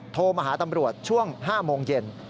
โทรมาหาตำรวจช่วง๕โมงเย็น